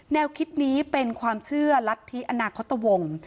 แนวคิดนี้เป็นความเชื่อลัทธิอนาคตวงศ์